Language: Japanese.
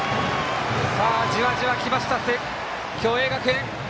じわじわ来ました、共栄学園。